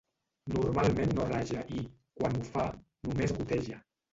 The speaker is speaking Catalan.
Normalment no raja i, quan ho fa, només goteja.